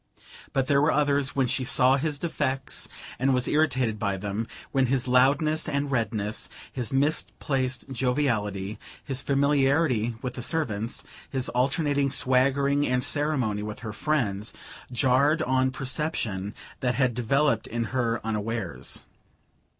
But there were others when she saw his defects and was irritated by them: when his loudness and redness, his misplaced joviality, his familiarity with the servants, his alternating swagger and ceremony with her friends, jarred on perceptions that had developed in her unawares.